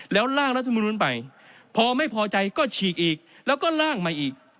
แล้วร่างรัฐมนุนไปพอไม่พอใจก็ฉีกอีกแล้วก็ล่างมาอีก